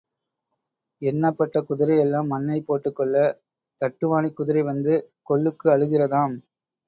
எண்ணப்பட்ட குதிரை எல்லாம் மண்ணைப் போட்டுக் கொள்ள, தட்டுவாணிக் குதிரை வந்து கொள்ளுக்கு அழுகிறதாம்.